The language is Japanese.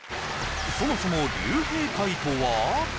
そもそも竜兵会とは？